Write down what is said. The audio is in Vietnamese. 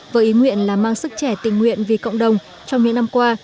với ý nguyện là mang sức trẻ tình nguyện vì cộng đồng trong những năm qua